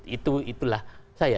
itu itulah saya